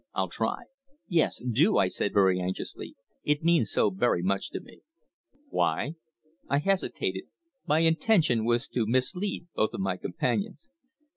I'll try." "Yes do!" I said very anxiously. "It means so very much to me." "Why?" I hesitated. My intention was to mislead both of my companions.